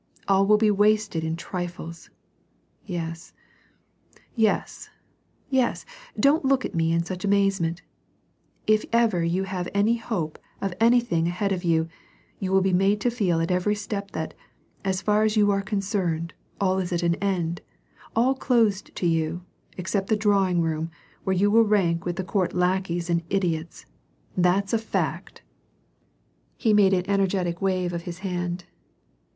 All will be wasted in trifles. Yes, yes, yes ! Don't look at me in such amazement. If ever you have any hope of anything ahead of you, you will be made to feel at every step that, as far as you are concerned, all is at an end, all closed to you, except the drawing room, where you will rank with court lackeys and idiots. — That's a fact !" WAR AND PEACE, 81 He made an energetic wave of his hand.